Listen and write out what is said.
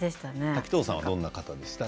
滝藤さんはどんな方でしたか？